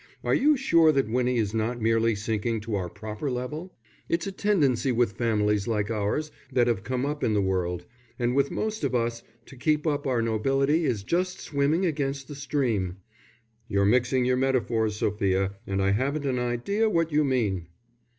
Are you sure that Winnie is not merely sinking to our proper level? It's a tendency with families like ours, that have come up in the world; and with most of us, to keep up our nobility is just swimming against the stream." "You're mixing your metaphors, Sophia, and I haven't an idea what you mean."